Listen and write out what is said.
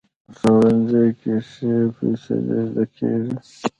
ښوونځی کې ښې فیصلې زده کېږي